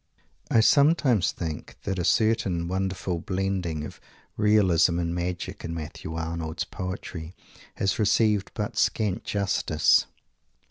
I sometimes think that a certain wonderful blending of realism and magic in Matthew Arnold's poetry has received but scant justice.